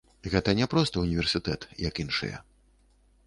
Гэта не проста ўніверсітэт як іншыя.